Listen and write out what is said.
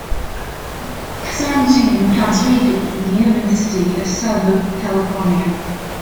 Kazanjian graduated from the University of Southern California.